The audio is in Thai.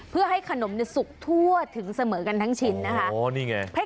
เพื่อให้ขนมสุกทั่วถึงเสมอกันทั้งชิ้นนะคะ